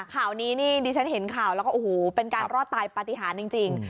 ข่าวนี้นี่ดิฉันเห็นข่าวแล้วก็โอ้โหเป็นการรอดตายปฏิหารจริง